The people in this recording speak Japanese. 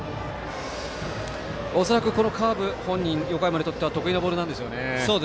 恐らく、カーブ横山にとっては得意なボールなんでしょうね。